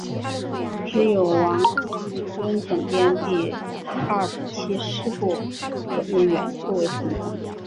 只有王应尊整编第二十七师部分人员突围成功。